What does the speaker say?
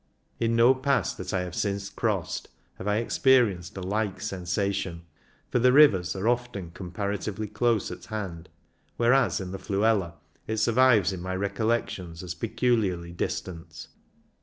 In no pass that I have since crossed have I experienced a like sensation, for the rivers are often com paratively close at hand, whereas, in the Fluela, it survives in my recollections as peculiarly distant.